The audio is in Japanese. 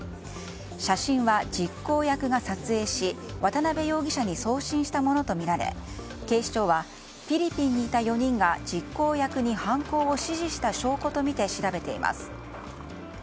写真は実行役が撮影し渡辺容疑者に送信したものとみられ警視庁はフィリピンにいた４人が実行役に犯行を指示した証拠とみて調べています。